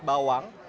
ini ketupat bawang